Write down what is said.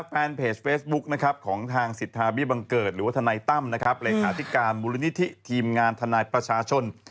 แฟนเพจเฟซบุ๊คนะครับของทางสิทธาเบี้บังเกิดหรือว่าทนายตั้มนะครับเลขาธิการมูลนิธิทีมงานทนายประชาชน